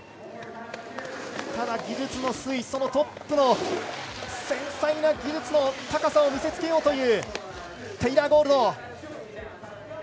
ただ、技術の粋そのトップの繊細な技術の高さを見せつけようというテイラー・ゴールド。